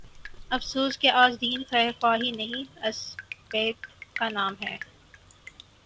افسوس کہ آج دین خیر خواہی نہیں، عصبیت کا نام ہے۔